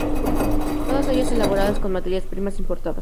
Todas ellas elaboradas con materias primas importadas.